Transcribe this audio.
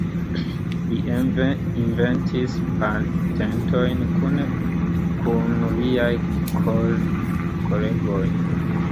Li inventis patentojn kune kun liaj kolegoj.